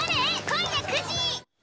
今夜９時。